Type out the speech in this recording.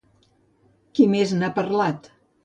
Qui més n'ha parlat?